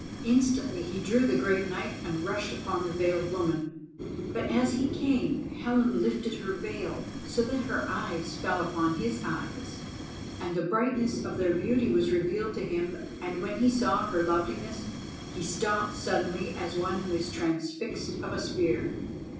Instantly he drew the great knife and rushed upon the veiled woman. But as he came, Helen lifted her veil so that her eyes fell upon his eyes, and the brightness of their beauty was revealed to him; and when he saw her loveliness he stopped suddenly as one who is transfixed of a spear.